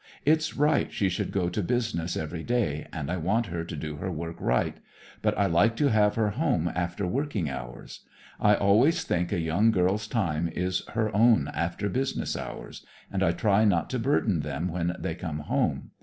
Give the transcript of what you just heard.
It's right she should go to business every day, and I want her to do her work right, but I like to have her home after working hours. I always think a young girl's time is her own after business hours, and I try not to burden them when they come home.